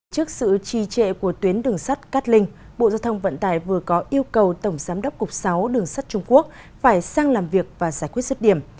trước sự trì trệ của tuyến đường sắt cát linh bộ giao thông vận tải vừa có yêu cầu tổng giám đốc cục sáu đường sắt trung quốc phải sang làm việc và giải quyết xuất điểm